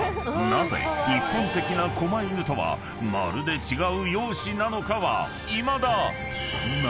［なぜ一般的なこま犬とはまるで違う容姿なのかはいまだ］